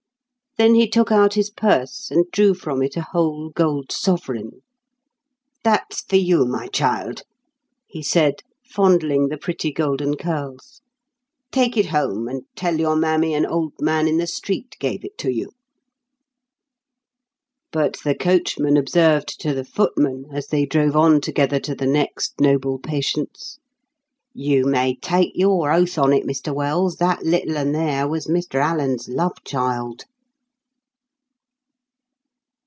Then he took out his purse, and drew from it a whole gold sovereign. "That's for you, my child," he said, fondling the pretty golden curls. "Take it home, and tell your mammy an old man in the street gave it to you." But the coachman observed to the footman, as they drove on together to the next noble patient's, "You may take your oath on it, Mr Wells, that little 'un there was Mr Alan's love child!"